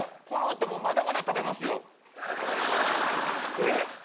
このあともまだまだ食べますよえっ！？